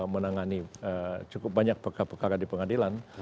menangani cukup banyak perkara perkara di pengadilan